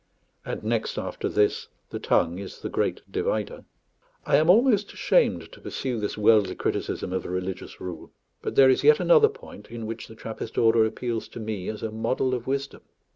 And next after this, the tongue is the great divider. I am almost ashamed to pursue this worldly criticism of a religious rule; but there is yet another point in which the Trappist order appeals to me as a model of wisdom.